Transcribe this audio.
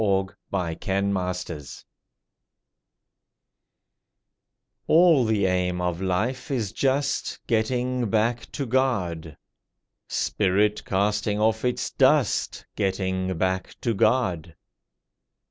SONG OF THE SPIRIT All the aim of life is just Getting back to God. Spirit casting off its dust, Getting back to God.